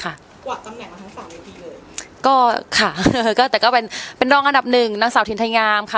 กวาดตำแหน่งมาทั้งสามวิธีเลยก็ค่ะก็แต่ก็เป็นเป็นรองอันดับหนึ่งนางสาวถิ่นไทยงามค่ะ